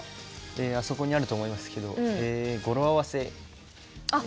あそこにあると思いますけど、語呂合わせ。